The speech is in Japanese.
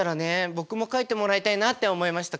僕も描いてもらいたいなって思いました。